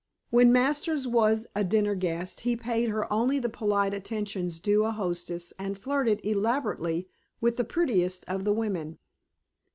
When Masters was a dinner guest he paid her only the polite attentions due a hostess and flirted elaborately with the prettiest of the women.